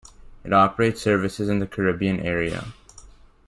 It operates services in the Caribbean area.